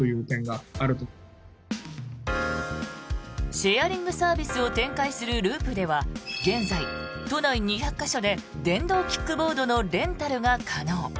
シェアリングサービスを展開するＬｕｕｐでは現在、都内２００か所で電動キックボードのレンタルが可能。